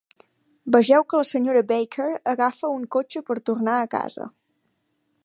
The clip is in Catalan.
Vegeu que la senyora Baker agafa un cotxe per tornar a casa.